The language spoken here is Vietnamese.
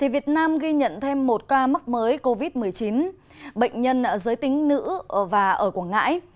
việt nam ghi nhận thêm một ca mắc mới covid một mươi chín bệnh nhân giới tính nữ và ở quảng ngãi